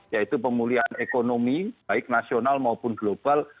yaitu pemulihan ekonomi baik nasional maupun global